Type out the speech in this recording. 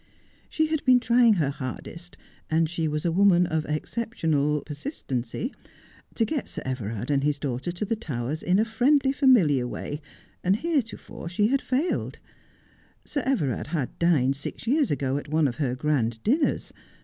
She had been trying her hardest — and she was a woman of exceptional persistency — to get Sir Everard and his daughter to the Towers in a friendly, familiar way, and hereto fore she had failed. Sir Everard had dined six years ago at one of her grand dinners.